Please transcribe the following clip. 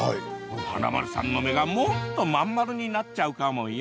華丸さんの目がもっと真ん丸になっちゃうかもよ。